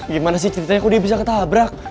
gimana sih ceritanya kok dia bisa ketabrak